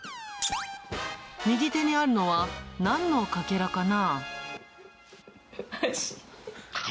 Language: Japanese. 右手にあるのは、なんのかけらかな？